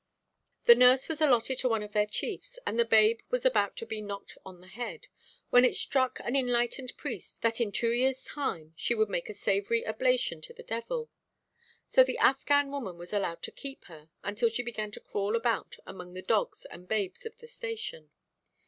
The nurse was allotted to one of their chiefs, and the babe was about to be knocked on the head, when it struck an enlightened priest that in two years' time she would make a savoury oblation to the devil; so the Affghan woman was allowed to keep her, until she began to crawl about among the dogs and babes of the station.